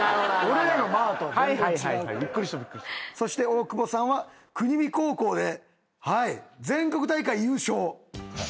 そして大久保さんは国見高校で全国大会優勝。